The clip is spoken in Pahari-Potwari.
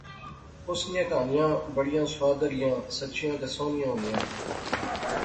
اس نیاں کہانیاں بڑیاں سوادلیاں، سچیاں تہ سوہنیاں ہونیاں